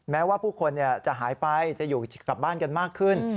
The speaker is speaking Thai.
แม้ว่าผู้คนจะหายไปจะอยู่กลับบ้านกันมากขึ้น